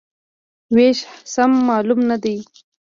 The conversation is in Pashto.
وېش سم معلوم نه دی.